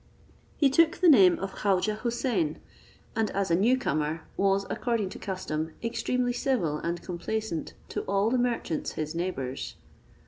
He took the name of Khaujeh Houssain, and as a new comer, was, according to custom, extremely civil and complaisant to all the merchants his neighbours.